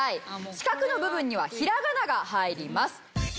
四角の部分にはひらがなが入ります。